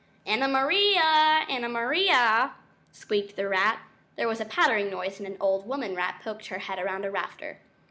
"Anna Maria! Anna Maria!" squeaked the rat. There was a pattering noise and an old woman rat poked her head round a rafter.